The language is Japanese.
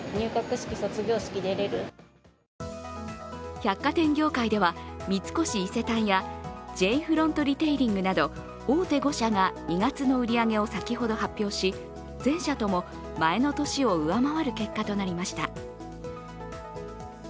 百貨店業界では、三越伊勢丹やＪ．フロントリテイリングなど大手５社が２月の売り上げを先ほど発表し全社とも前の年を上回る結果となりました。